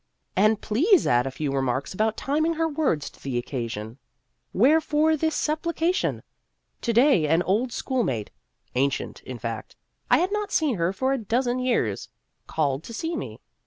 And please add a few remarks about timing her words to the occasion. Wherefore this supplication ? To day an old school mate ancient, in fact ; I had not seen her for a dozen years called to see me.